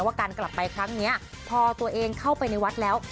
ว่าการกลับไปครั้งนี้พอตัวเองเข้าไปในวัดแล้ว